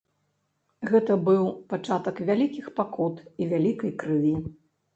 Гэта быў пачатак вялікіх пакут і вялікай крыві.